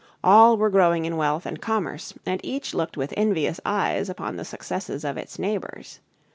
All were growing in wealth and commerce, and each looked with envious eyes upon the successes of its neighbors.